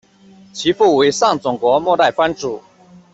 其父为上总国末代藩主。